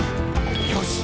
「よし！